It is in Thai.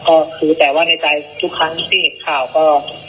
ก็คือแต่ว่าในใจทุกครั้งที่เห็นข่าวก็